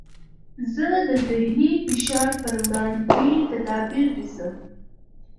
زه د ذهني فشار پر وړاندې تدابیر نیسم.